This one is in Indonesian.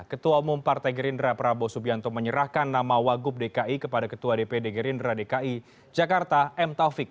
ketua umum partai gerindra prabowo subianto menyerahkan nama wagub dki kepada ketua dpd gerindra dki jakarta m taufik